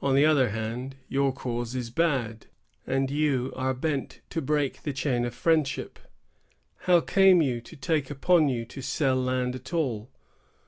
On the other hand, your cause is bad, and you are bent to break the chain of friendship. How came you to take upon you to sell land at all?